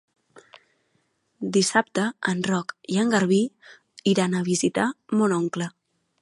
Dissabte en Roc i en Garbí iran a visitar mon oncle.